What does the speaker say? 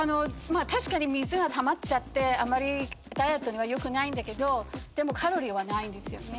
確かに水がたまっちゃってダイエットにはよくないんだけどでもカロリーはないんですよね。